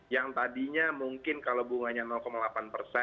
yang tadinya mungkin kalau bunganya delapan persen